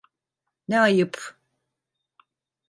Ne ayıp.